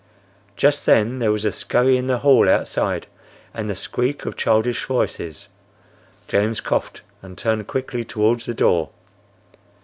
Just then there was a scurry in the hall outside and the squeak of childish voices. James coughed and turned quickly towards the door.